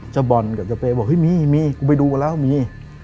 เจ้าบอลกับเจ้าเป้บอกมีกูไปดูกันแล้วมี